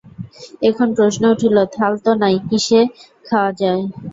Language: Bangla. এখন প্রশ্ন উঠিল, থাল তো নাই, কিসে খাওয়া যায়?